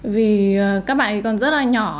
vì các bạn còn rất là nhỏ